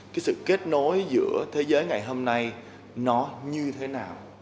cái sự kết nối giữa thế giới ngày hôm nay nó như thế nào